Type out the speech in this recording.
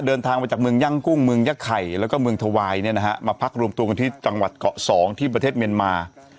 เดินทางมาจากเมืองย่างกุ้งเมืองยะไข่แล้วก็เมืองทวายเนี่ยนะฮะมาพักรวมตัวกันที่จังหวัดเกาะสองที่ประเทศเมียนมา